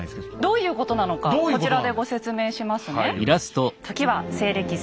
どういうことなのかこちらでご説明しますね。